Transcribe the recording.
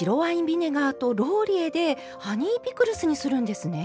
ビネガーとローリエでハニーピクルスにするんですね。